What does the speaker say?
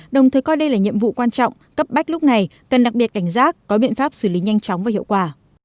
đồng thời coi đây là nhiệm vụ quan trọng cấp bách lúc này cần đặc biệt cảnh giác có biện pháp xử lý nhanh chóng và hiệu quả